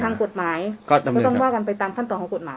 ทางกฎหมายก็ต้องว่ากันไปตามขั้นตอนของกฎหมาย